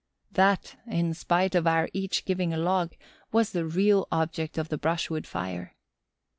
That, in spite of our each giving a log, was the real object of the brushwood fire.